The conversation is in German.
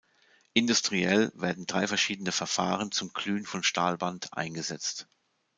Industriell werden drei verschiedene Verfahren zum Glühen von Stahlband eingesetzt.